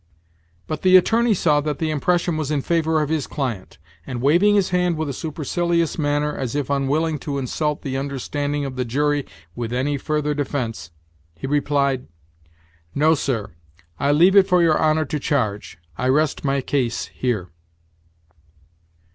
But the attorney saw that the impression was in favor of his client, and waving his hand with a supercilious manner, as if unwilling to insult the understanding of the jury with any further defence, he replied: "No, sir; I leave it for your honor to charge; I rest my case here."